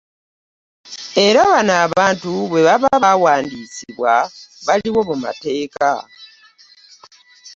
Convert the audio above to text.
Era bano abantu bwe baba baawandisibwa baliwo mu mateeka.